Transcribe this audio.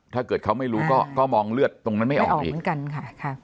ถ้าเกิดเขาไม่รู้ก็มองเลือดตรงนั้นไม่ออกอีกเหมือนกันค่ะ